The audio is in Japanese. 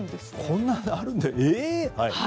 こんなのあるんだ。